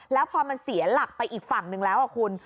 แล้วพอมันเสียหลักไปอีกฝั่งหนึ่งแล้วคุณ